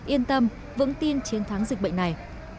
yên tâm vững tin chiến thắng dịch bệnh này